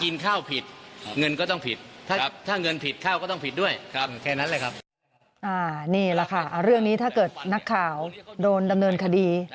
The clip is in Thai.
นี่แหละค่ะเรื่องนี้ถ้าเกิดนักข่าวโดนดำเนินคดี